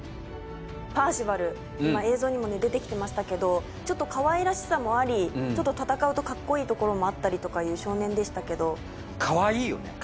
パーシバル今映像にもね出てきてましたけどちょっとかわいらしさもあり戦うとカッコいいところもあったりとかいう少年でしたけどかわいいよね